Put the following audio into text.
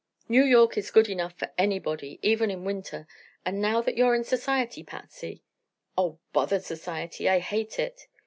"New York is good enough for anybody, even in winter; and now that you're in society, Patsy " "Oh, bother society! I hate it."